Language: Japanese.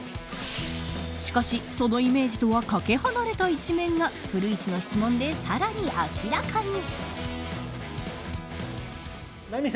しかし、そのイメージとはかけ離れた一面が古市の質問でさらに明らかに。